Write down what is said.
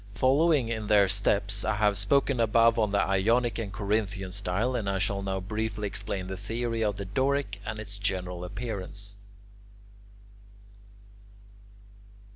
Following in their steps, I have spoken above on the Ionic and Corinthian styles, and I shall now briefly explain the theory of the Doric and its general appearance.